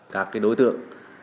các cái đối tượng